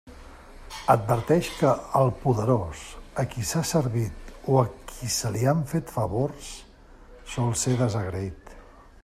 Adverteix que al poderós a qui s'ha servit o a qui se li han fet favors sol ser desagraït.